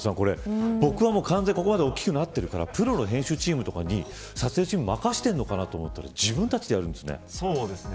僕は、ここまで大きくなってるからプロの編集チームとかに任せているのかなと思ったら自分たちでやるんですね。